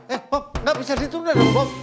eh pop nggak bisa ditunda dong pop